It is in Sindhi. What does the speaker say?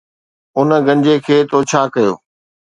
ان گنجي کي تو ڇا ڪيو؟